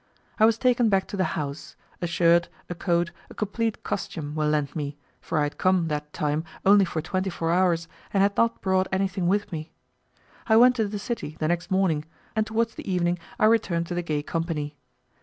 I was taken back to the house, a shirt, a coat, a complete costume, were lent me, for I had come that time only for twenty four hours, and had not brought anything with me. I went to the city the next morning, and towards the evening I returned to the gay company.